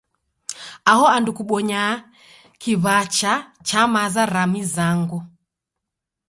Aho andu kobonywa kiw'acha cha maza ra mizango.